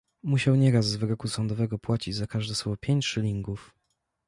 "Musiał nieraz z wyroku sądowego płacić za każde słowo pięć szylingów."